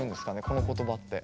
この言葉って。